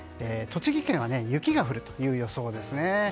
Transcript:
栃木県は雪が降るという予想ですね。